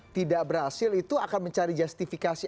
tidak berhasil itu akan mencari justifikasi